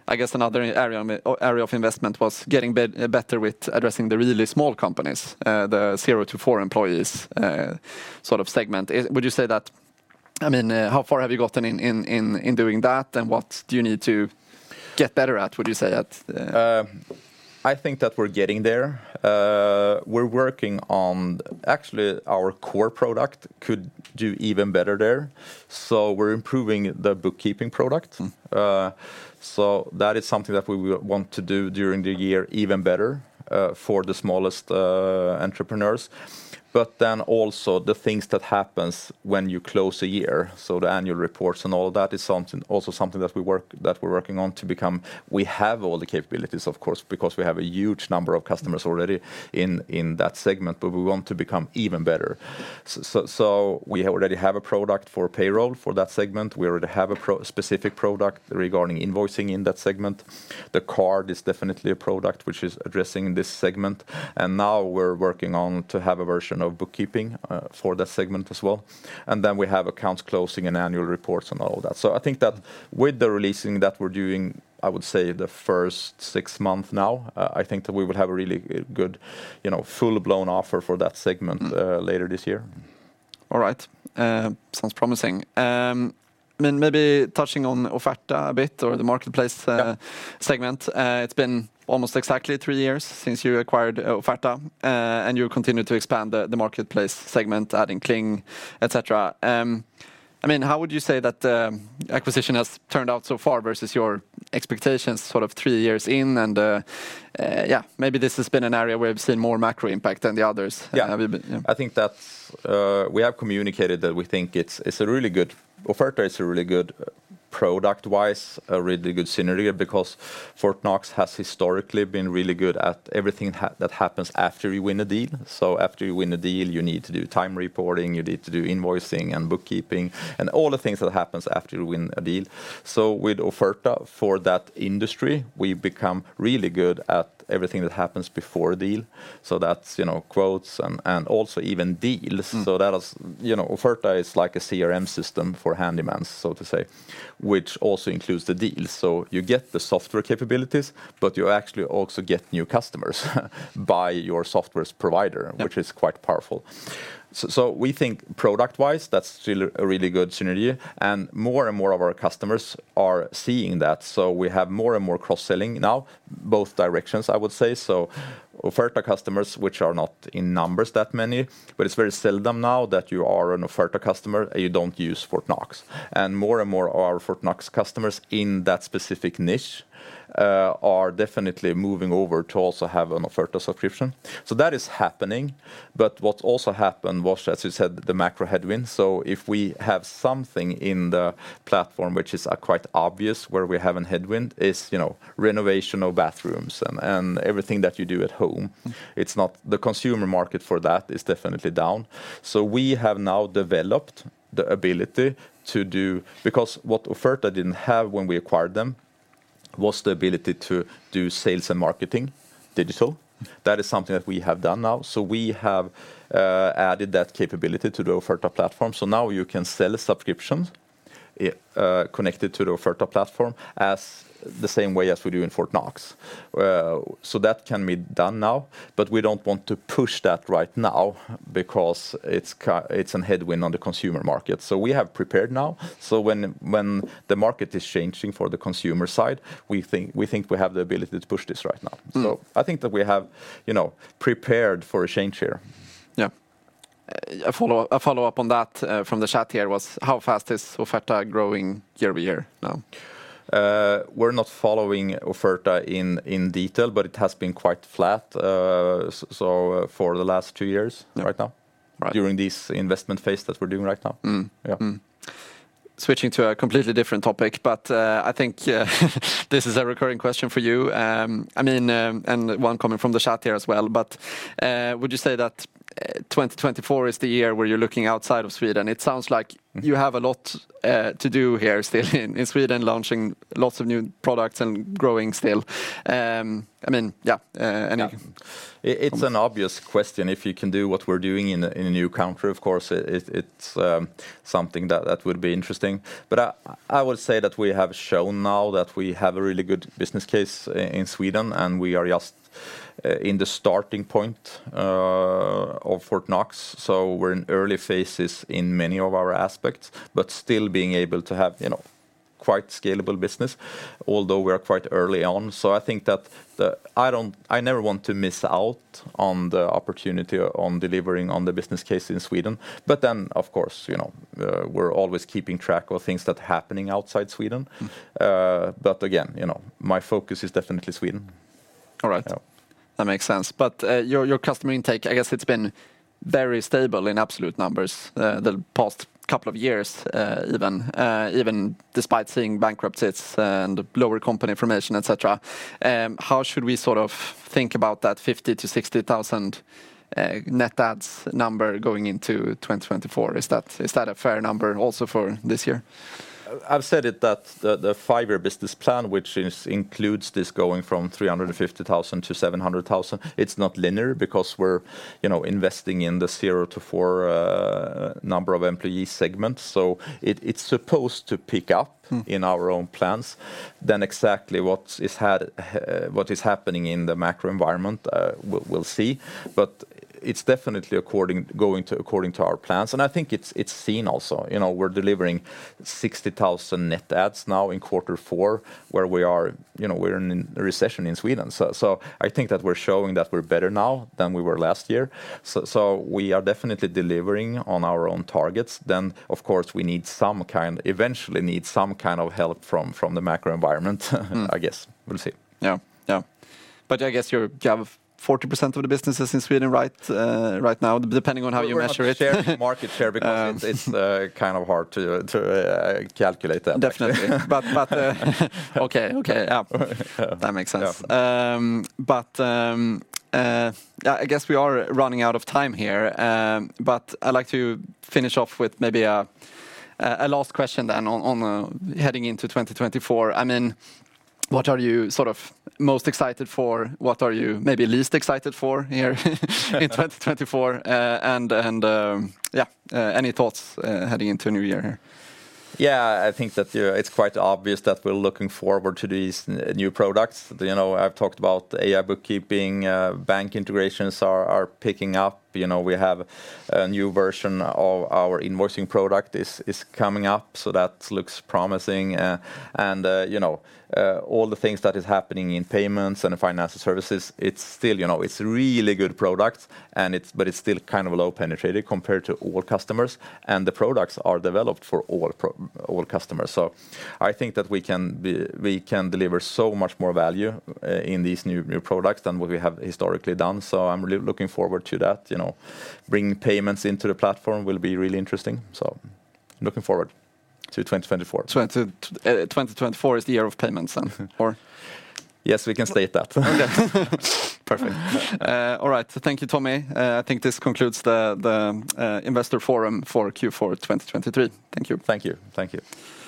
I guess another area of investment was getting better with addressing the really small companies, the zero to four employees, sort of segment. Would you say that... I mean, how far have you gotten in doing that and what do you need to get better at, would you say? I think that we're getting there. We're working on... Actually, our core product could do even better there. So, we're improving the bookkeeping product. So that is something that we want to do during the year even better, for the smallest entrepreneurs. But then also the things that happen when you close a year, so the annual reports and all of that is also something that we're working on to become... We have all the capabilities, of course, because we have a huge number of customers already in that segment, but we want to become even better. So, we already have a product for payroll for that segment. We already have a specific product regarding invoicing in that segment. The card is definitely a product which is addressing this segment. And now we're working on to have a version of bookkeeping for that segment as well. And then we have accounts closing and annual reports and all of that. So, I think that with the releasing that we're doing, I would say the first six months now, I think that we will have a really good, you know, full-blown offer for that segment later this year. All right. Sounds promising. I mean, maybe touching on Oferta a bit or the marketplace segment. It's been almost exactly three years since you acquired Oferta and you continue to expand the marketplace segment, adding Cling, etc. I mean, how would you say that the acquisition has turned out so far versus your expectations sort of three years in? And, yeah, maybe this has been an area where we've seen more macro impact than the others. Yeah, I think that's... We have communicated that we think it's a really good... Oferta is a really good product-wise, a really good synergy because Fortnox has historically been really good at everything that happens after you win a deal. So, after you win a deal, you need to do time reporting, you need to do invoicing and bookkeeping and all the things that happen after you win a deal. So, with Oferta for that industry, we become really good at everything that happens before a deal. So, that's, you know, quotes and also even deals. So, that is... Oferta is like a CRM system for handymen, so to say, which also includes the deals. So, you get the software capabilities, but you actually also get new customers by your software provider, which is quite powerful. So, we think product-wise, that's still a really good synergy. And more and more of our customers are seeing that. So, we have more and more cross-selling now, both directions, I would say. So, Oferta customers, which are not in numbers that many, but it's very seldom now that you are an Oferta customer and you don't use Fortnox. And more and more of our Fortnox customers in that specific niche, are definitely moving over to also have an Oferta subscription. So, that is happening. But what also happened was, as you said, the macro headwind. So, if we have something in the platform which is quite obvious where we have a headwind is, you know, renovation of bathrooms and everything that you do at home. It's not... The consumer market for that is definitely down. So, we have now developed the ability to do... Because what Oferta didn't have when we acquired them was the ability to do sales and marketing digital. That is something that we have done now. So, we have added that capability to the Oferta platform. So, now you can sell subscriptions connected to the Oferta platform as the same way as we do in Fortnox. So that can be done now. But we don't want to push that right now because it's a headwind on the consumer market. So, we have prepared now. So, when the market is changing for the consumer side, we think we have the ability to push this right now. So, I think that we have, you know, prepared for a change here. Yeah. A follow-up on that from the chat here was how fast is Oferta growing year-over-year now? We're not following Oferta in detail, but it has been quite flat, so for the last two years right now, during this investment phase that we're doing right now. Yeah. Switching to a completely different topic, but I think this is a recurring question for you. I mean, and one coming from the chat here as well. Would you say that 2024 is the year where you're looking outside of Sweden? It sounds like you have a lot to do here still in Sweden, launching lots of new products and growing still. I mean, yeah. It's an obvious question. If you can do what we're doing in a new country, of course, it's something that would be interesting. I would say that we have shown now that we have a really good business case in Sweden and we are just in the starting point of Fortnox. We're in early phases in many of our aspects, but still being able to have, you know, quite scalable business, although we are quite early on. So, I think that I never want to miss out on the opportunity on delivering on the business case in Sweden. But then, of course, you know, we're always keeping track of things that are happening outside Sweden. But again, you know, my focus is definitely Sweden. All right. That makes sense. But your customer intake, I guess it's been very stable in absolute numbers the past couple of years, even despite seeing bankruptcies and lower company formation, etc. How should we sort of think about that 50,000-60,000 net ads number going into 2024? Is that a fair number also for this year? I've said it that the five-year business plan, which includes this going from 350,000-700,000, it's not linear because we're, you know, investing in the zero to four, number of employees segment. So, it's supposed to pick up in our own plans. Then exactly what is happening in the macro environment, we'll see. But it's definitely going to according to our plans. And I think it's seen also. You know, we're delivering 60,000 net ads now in quarter four where we are, you know, we're in a recession in Sweden. So, I think that we're showing that we're better now than we were last year. So, we are definitely delivering on our own targets. Then, of course, we need some kind... Eventually need some kind of help from the macro environment, I guess. We'll see. Yeah, yeah. But I guess you have 40% of the businesses in Sweden right now, depending on how you measure it there. Market share because it's kind of hard to calculate that. Definitely. But... Okay, okay. Yeah. That makes sense. but... Yeah, I guess we are running out of time here. But I'd like to finish off with maybe a last question then on heading into 2024. I mean, what are you sort of most excited for? What are you maybe least excited for here in 2024? And yeah, any thoughts heading into a new year here? Yeah, I think that it's quite obvious that we're looking forward to these new products. You know, I've talked about AI Bookkeeping. Bank integrations are picking up. You know, we have a new version of our Invoicing product is coming up. So, that looks promising. And you know, all the things that are happening in payments and financial services, it's still, you know, it's a really good product. And it's, but it's still kind of a low-penetrated compared to all customers. And the products are developed for all customers. So, I think that we can deliver so much more value in these new products than what we have historically done. So, I'm looking forward to that. You know, bringing payments into the platform will be really interesting. So, looking forward to 2024. So, 2024 is the year of payments then? Or? Yes, we can state that. Okay. Perfect. All right. Thank you, Tommy. I think this concludes the Investor Forum for Q4 2023. Thank you. Thank you. Thank you.